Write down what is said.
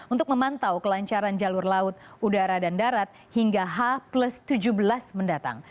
untuk memantau kelancaran jalur laut udara dan darat hingga h tujuh belas mendatang